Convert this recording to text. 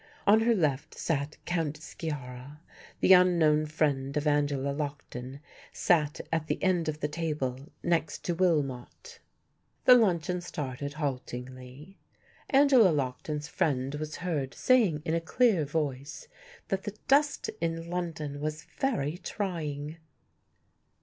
On her left sat Count Sciarra; the unknown friend of Angela Lockton sat at the end of the table next to Willmott. The luncheon started haltingly. Angela Lockton's friend was heard saying in a clear voice that the dust in London was very trying.